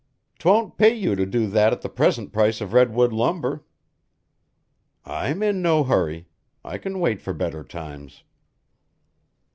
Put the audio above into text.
"'Twon't pay you to do that at the present price of redwood lumber." "I'm in no hurry. I can wait for better times."